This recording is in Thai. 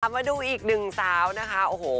มาดูอีกหนึ่งสาวนะคะโอ้โห